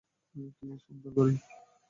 কী সুন্দর ঘুড়ি!